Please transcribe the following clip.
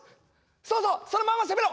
そうそうそのまんま攻めろ！